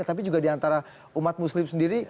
tapi juga diantara umat muslim sendiri